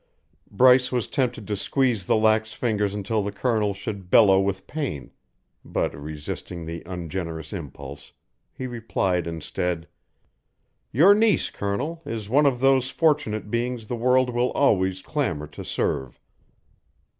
Bryce was tempted to squeeze the lax fingers until the Colonel should bellow with pain; but resisting the ungenerous impulse, he replied instead: "Your niece, Colonel, is one of those fortunate beings the world will always clamour to serve."